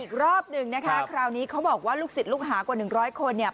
อีกรอบหนึ่งนะคะคราวนี้เขาบอกว่าลูกศิษย์ลูกหากว่าหนึ่งร้อยคนเนี่ย